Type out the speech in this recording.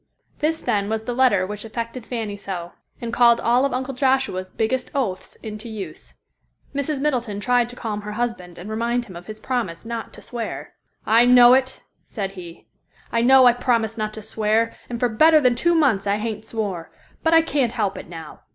This, then, was the letter which affected Fanny so, and called all of Uncle Joshua's biggest oaths into use. Mrs. Middleton tried to calm her husband and remind him of his promise not to swear. "I know it," said he, "I know I promised not to swear, and for better than two months I hain't swore, but I can't help it now.